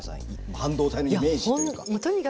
半導体のイメージというか。